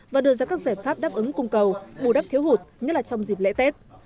và đưa ra các giải pháp đáp ứng cung cầu bù đắp thiếu hụt nhất là trong dịp lễ tết